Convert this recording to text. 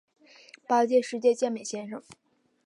八届世界健美先生。